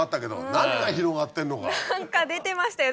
何か出てましたよ